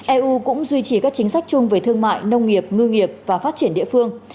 eu cũng duy trì các chính sách chung về thương mại nông nghiệp ngư nghiệp và phát triển địa phương